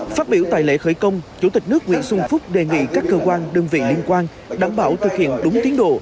phát biểu tại lễ khởi công chủ tịch nước nguyễn xuân phúc đề nghị các cơ quan đơn vị liên quan đảm bảo thực hiện đúng tiến độ